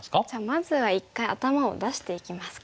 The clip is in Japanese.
まずは一回頭を出していきますか。